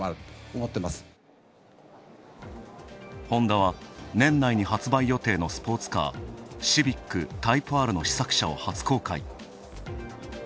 ホンダは年内に発売予定のスポーツカーシビックＴＹＰＥＲの試作車を初公開。